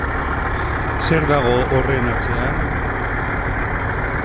Zer dago horren atzean?